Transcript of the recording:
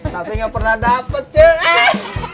tapi gak pernah dapet ceh